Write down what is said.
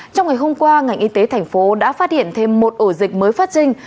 trong ngày hôm qua ngành y tế thành phố đã phát hiện thêm một ổ dịch mới phát sinh